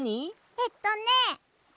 えっとね。